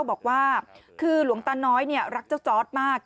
บอกว่าคือหลวงตาน้อยรักเจ้าจอร์ดมาก